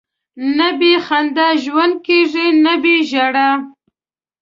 نه بې خندا ژوند کېږي، نه بې ژړا.